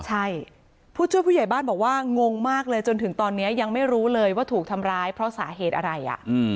ใช่ผู้ช่วยผู้ใหญ่บ้านบอกว่างงมากเลยจนถึงตอนนี้ยังไม่รู้เลยว่าถูกทำร้ายเพราะสาเหตุอะไร